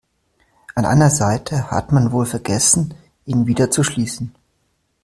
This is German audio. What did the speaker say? An einer Seite hat man wohl vergessen, ihn wieder zu schließen.